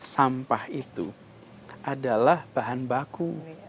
sampah itu adalah bahan baku